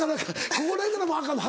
ここら辺からもうアカンの？